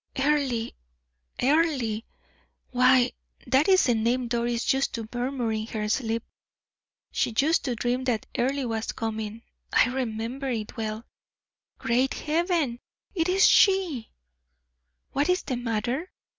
"Earle! Earle! Why that is the name Doris used to murmur in her sleep. She used to dream that Earle was coming I remember it well. Great Heaven, it is she!" "What is the matter?"